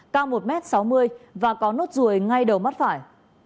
cao một m sáu mươi và có nốt ruồi ngay đầu mắt phải